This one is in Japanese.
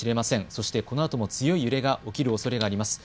そしてこのあとも強い揺れが起きるおそれがあります。